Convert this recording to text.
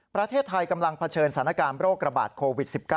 ประเทศไทยกำลังเผชิญสถานการณ์โรคระบาดโควิด๑๙